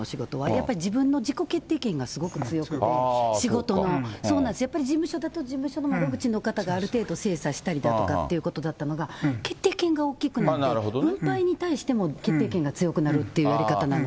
やっぱり自分の自己決定権がすごく強くて、仕事の、そうなんです、やっぱり事務所と事務所の窓口の方がある程度精査したりだとかっていうことだったのが、決定権が大きくなって、分配に対しても決定権が強くなるっていうやり方なので。